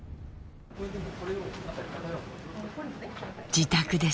自宅です。